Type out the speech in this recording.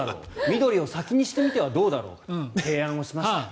緑を先にしてみてはどうだろうかと提案をしました。